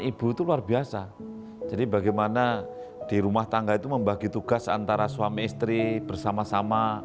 ibu itu luar biasa jadi bagaimana di rumah tangga itu membagi tugas antara suami istri bersama sama